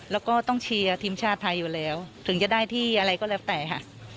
แล้วก็ต้องเชียร์ทีมชาติไทยอยู่แล้วถึงจะได้ที่อะไรก็แล้วแต่ค่ะ